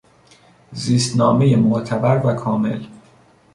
زیستنامهی معتبر و کامل